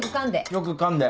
よく噛んで。